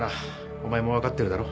お前も分かってるだろ？